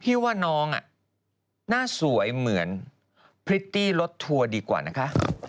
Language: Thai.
พี่ว่าน้องหน้าสวยเหมือนพริตตี้รถทัวร์ดีกว่านะคะ